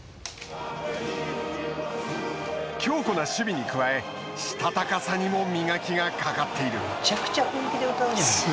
強固な守備に加えしたたかさにも磨きがかかっている。